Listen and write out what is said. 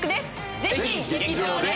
ぜひ劇場で。